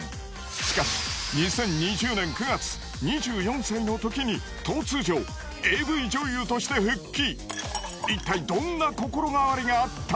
しかし２０２０年９月２４歳のときに突如ＡＶ女優として復帰。